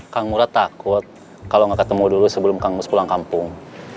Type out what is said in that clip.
kang murad takut kalau enggak ketemu dulu sebelum kangus pulang kampung